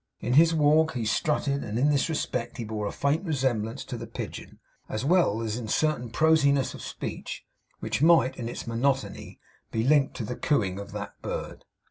In his walk he strutted; and, in this respect, he bore a faint resemblance to the pigeon, as well as in a certain prosiness of speech, which might, in its monotony, be likened to the cooing of that bird.